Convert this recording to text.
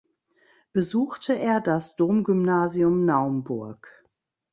Besuchte er das Domgymnasium Naumburg.